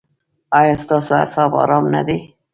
ایا ستاسو اعصاب ارام نه دي؟